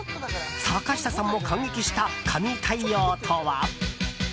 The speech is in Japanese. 坂下さんも感激した神対応とは？